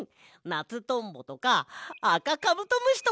ナツトンボとかあかカブトムシとか！